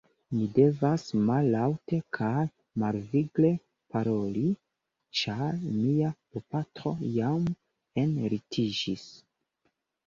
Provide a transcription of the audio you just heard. Mi devas mallaŭte kaj malvigle paroli ĉar mia bopatro jam enlitiĝis!